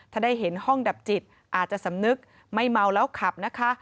ถ้าได้เห็นห้องดับจิตอาจจะสำนึกไม่เมาแล้วขับนะคะ